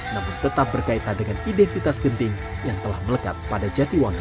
namun tetap berkaitan dengan identitas genting yang telah melekat pada jatiwangi